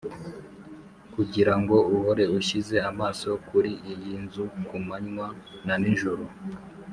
kugira ngo uhore ushyize amaso kuri iyi nzu ku manywa na nijoro